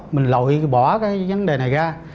mình lội bỏ cái vấn đề này ra